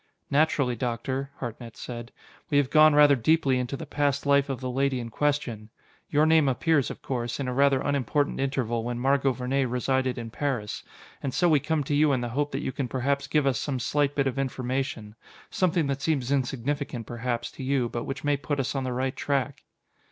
"Naturally, Doctor," Hartnett said, "we have gone rather deeply into the past life of the lady in question. Your name appears, of course, in a rather unimportant interval when Margot Vernee resided in Paris. And so we come to you in the hope that you can perhaps give us some slight bit of information something that seems insignificant, perhaps, to you, but which may put us on the right track."